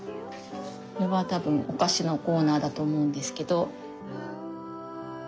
これは多分お菓子のコーナーだと思うんですけど。